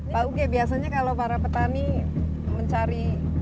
pak uge biasanya kalau para petani mencari